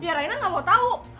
ya raina gak mau tahu